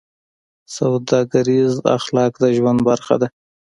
سوداګریز اخلاق د ژوند برخه ده.